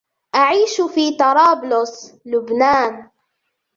أعيش في طرابلس، لبنان.